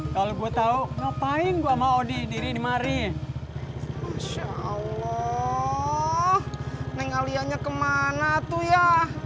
kalau gue tahu ngapain gua mau di diri dimari masya allah mengalirnya kemana tuh ya